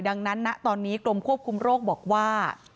ดังนั้นณตอนนี้กรมควบคุมโรคบอกว่า